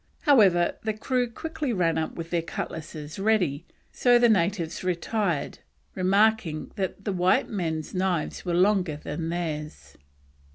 However, the crew quickly ran up with their cutlasses ready, so the natives retired, remarking that the white men's knives were longer than theirs.